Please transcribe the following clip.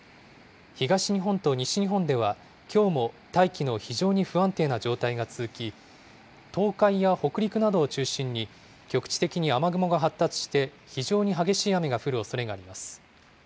東日本と西日本では、きょうも大気の非常に不安定な状態が続き、東海や北陸などを中心に局地的に雨雲が発達して、非常に激しい雨が降るおそれがあります。